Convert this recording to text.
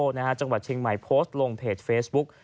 จังหวัดเชียงใหม่โพสต์ลงเพจเฟซบุ๊ก